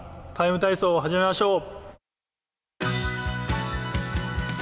ＴＩＭＥ，体操」を始めましょう。